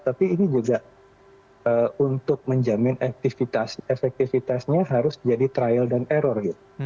tapi ini juga untuk menjamin efektivitasnya harus jadi trial dan error gitu